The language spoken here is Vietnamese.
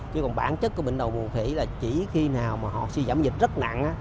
chứ còn bản chất của bệnh đậu mùa khỉ là chỉ khi nào họ suy giảm dịch rất nặng